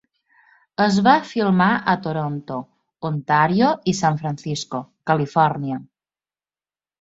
Es va filmar a Toronto, Ontario i San Francisco, Califòrnia.